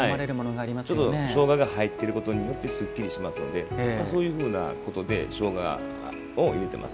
しょうがが入っていることですっきりしますのでそういうふうなことでしょうがを入れてます。